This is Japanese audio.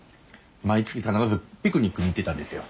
毎月必ずピクニックに行ってたんですよ。